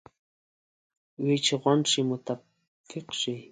وې چې غونډ شئ متفق شئ.